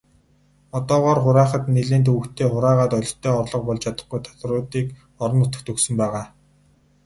Одоогоор хураахад нэлээн төвөгтэй, хураагаад олигтой орлого болж чадахгүй татваруудыг орон нутагт өгсөн байгаа.